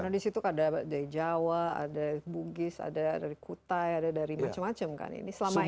karena di situ ada dari jawa ada bugis ada dari kutai ada dari macam macam kan ini selama ini